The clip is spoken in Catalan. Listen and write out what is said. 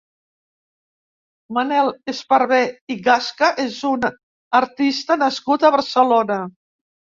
Manel Esparbé i Gasca és un artista nascut a Barcelona.